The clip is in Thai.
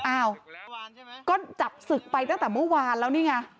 อ้าวก็จับศึกไปตั้งแต่เมื่อวานแล้วนี่ไง